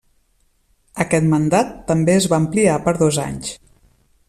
Aquest mandat també es va ampliar per dos anys.